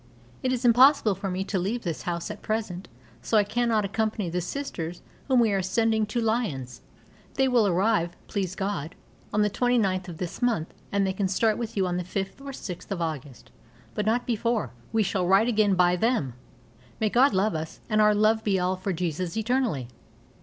It is impossible for me to leave this house at present, so I cannot accompany the Sisters whom we are sending to Lyons. They will arrive, please God, on the 29th of this month, and they can start with you on the 5th or 6th of August, but not before. We shall write again by them. May God love us, and our love be all for Jesus eternally.